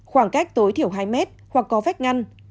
khoảng cách tối thiểu hai mét hoặc có vách ngăn